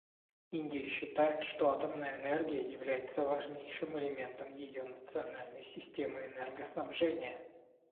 Индия считает, что атомная энергия является важнейшим элементом ее национальной системы энергоснабжения.